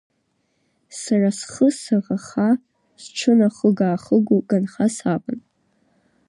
Сара схы саӷаха, сҽынахыга-аахыго ганха саван.